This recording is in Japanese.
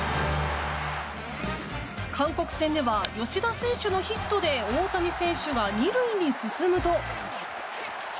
韓国戦では吉田選手のヒットで大谷選手が２塁に進むと。